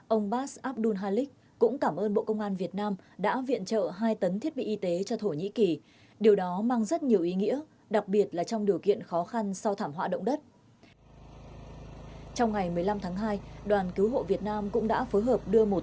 ông bas abdoul halik cục trưởng cục chính sách giáo dục thổ nhĩ kỳ đã đến thăm và cảm ơn thành viên đoàn